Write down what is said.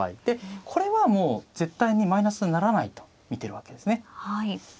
でこれはもう絶対にマイナスにならないと見てるわけですね。